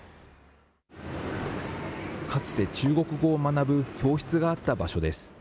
かつて中国語を学ぶ教室があった場所です。